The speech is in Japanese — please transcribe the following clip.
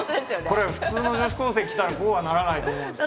これ普通の女子高生着たらこうはならないと思うんですけど。